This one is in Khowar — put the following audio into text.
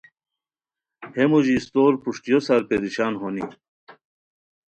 ہے موژی استور پروشٹیو سار پریشان ہونی